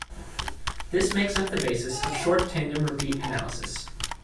This makes up the basis of short tandem repeat analysis.